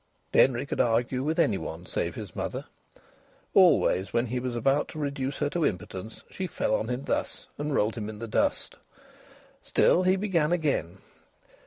Denry could argue with any one save his mother. Always, when he was about to reduce her to impotence, she fell on him thus and rolled him in the dust. Still, he began again.